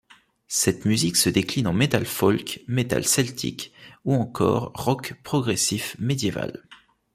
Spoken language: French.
Cette musique se décline en metal folk, metal celtique ou encore rock progressif médiéval.